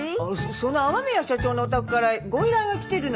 その天宮社長のお宅からご依頼が来てるのよ。